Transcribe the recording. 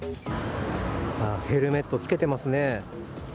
ヘルメットを着けていますね。